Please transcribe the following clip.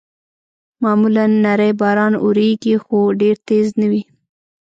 معمولاً نری باران اورېږي، خو ډېر تېز نه وي.